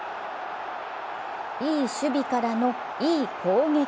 いい守備からの、いい攻撃。